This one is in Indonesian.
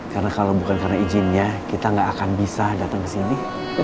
karena kalau bukan karena izinnya kita nggak akan bisa datang kesini